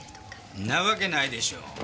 んなわけないでしょ。